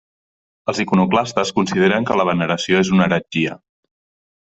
Els iconoclastes consideren que la veneració és una heretgia.